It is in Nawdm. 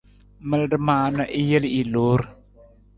Malada maa na i jel i loor.